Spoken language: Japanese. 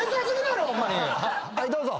はいどうぞ。